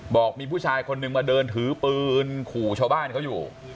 บอกมีผู้ชายคนนึงมาเดินถือปืนขู่ชาวบ้านเขาอยู่